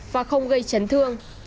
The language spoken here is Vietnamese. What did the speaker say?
và không gây chấn thương